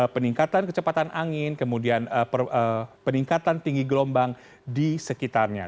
peningkatan kecepatan angin kemudian peningkatan tinggi gelombang di sekitarnya